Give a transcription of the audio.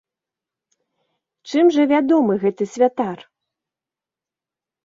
Чым жа вядомы гэты святар?